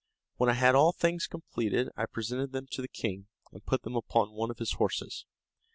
When I had all things completed, I presented them to the king, and put them upon one of his horses.